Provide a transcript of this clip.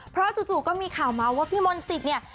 เพราะจู่ก็มีข่าวมาว่าพี่มนต์สิทธิ์เนี่ย